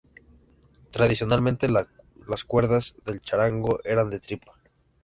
Tradicionalmente las cuerdas del charango eran de tripa.